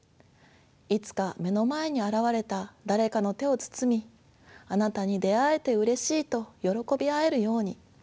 いつか目の前に現れた誰かの手を包み「あなたに出会えてうれしい」とよろこび合えるように。